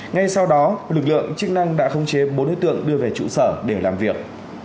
ngay sau đó lực lượng chức năng đã khống chế bốn đối tượng đưa về trụ sở để làm việc